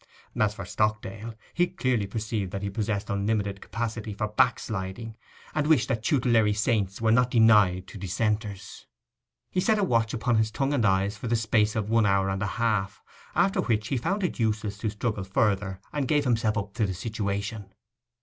As for Stockdale, he clearly perceived that he possessed unlimited capacity for backsliding, and wished that tutelary saints were not denied to Dissenters. He set a watch upon his tongue and eyes for the space of one hour and a half, after which he found it was useless to struggle further, and gave himself up to the situation.